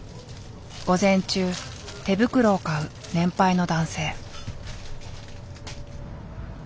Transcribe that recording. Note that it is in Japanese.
午前中手袋を買う年配の男性。